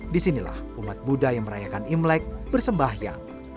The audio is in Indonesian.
disinilah umat budaya merayakan imlek bersembahyang